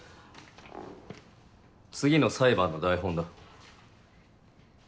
次の裁判の台本だ。